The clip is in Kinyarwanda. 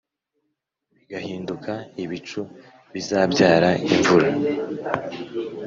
bigahinduka ibicu bizabyara imvura.